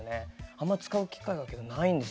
あんま使う機会がないんですよね。